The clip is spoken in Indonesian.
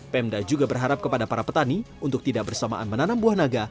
pemda juga berharap kepada para petani untuk tidak bersamaan menanam buah naga